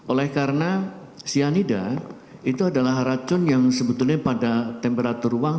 oleh karena cyanida itu adalah racun yang sebetulnya pada temperatur ruang